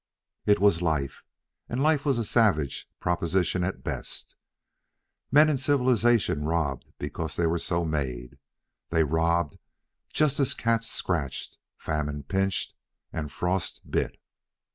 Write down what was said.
It was life, and life was a savage proposition at best. Men in civilization robbed because they were so made. They robbed just as cats scratched, famine pinched, and frost bit.